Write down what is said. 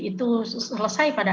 itu selesai pada